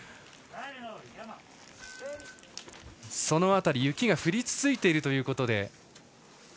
その辺り雪が降り続いているということで。